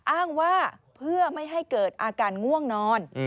อ้างว่าเพื่อไม่ให้เกิดอาการง่วงนอน